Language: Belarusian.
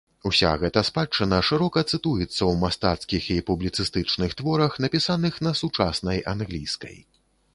Уся гэта спадчына шырока цытуецца ў мастацкіх і публіцыстычных творах, напісаных на сучаснай англійскай.